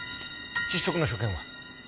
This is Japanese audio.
窒息の所見は？